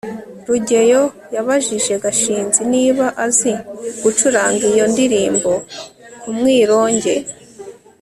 rugeyo yabajije gashinzi niba azi gucuranga iyo ndirimbo ku mwironge